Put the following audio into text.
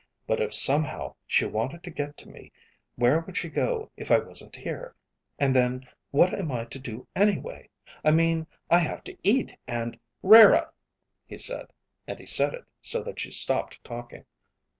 But if somehow she wanted to get to me, where would she go if I wasn't here? And then, what am I to do anyway. I mean I have to eat, and " "Rara," he said, and he said it so that she stopped talking.